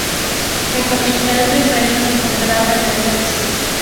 La capital del reino se encontraba en la isla de St.